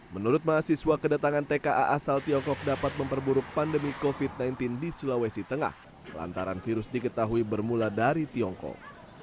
menurut mahasiswa kedatangan tka asal tiongkok dapat memperburuk pandemi covid sembilan belas di sulawesi tengah lantaran virus diketahui bermula dari tiongkok